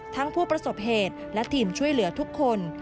ผู้ประสบเหตุและทีมช่วยเหลือทุกคน